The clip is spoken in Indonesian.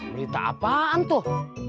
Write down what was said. berita apaan tuh